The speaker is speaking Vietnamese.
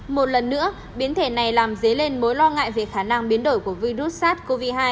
một lần nữa biến thể này làm dấy lên mối lo ngại về khả năng biến đổi của virus sars cov hai